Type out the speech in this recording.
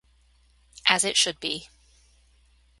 As it should be.